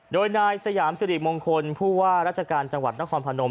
โดยนายสยามสิริมงคลผู้ว่าราชการจังหวัดนครพนม